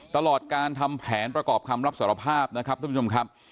ตลอดการทำแผนประกอบคำรับสารภาพนะครับท่านผู้ชมครับ